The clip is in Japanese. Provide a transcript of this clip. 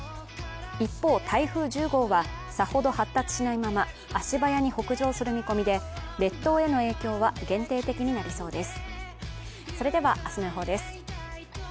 一方、台風１０号は、さほど発達しないまま足早に北上する見込みで、列島への影響は限定的になりそうです。